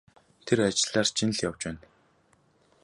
Тэр ажлаар чинь л явж байна.